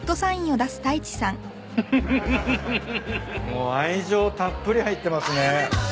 もう愛情たっぷり入ってますね。